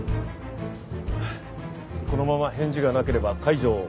このまま返事がなければ解錠を。